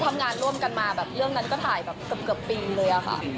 ทำงานร่วมกันมาแบบเรื่องนั้นก็ถ่ายแบบเกือบปีเลยอะค่ะ